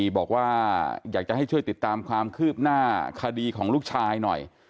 บอกว่าอยากจะให้ช่วยติดตามความคืบหน้าคดีของลูกชายหน่อย